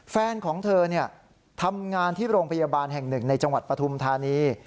แฟนของเธอทำงานที่โรงพยาบาลแห่งหนึ่งในจังหวัดปฐุมธานี